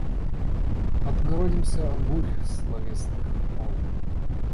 Отгородимся от бурь словесных молом.